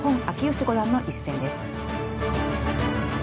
義五段の一戦です。